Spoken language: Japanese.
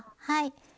はい。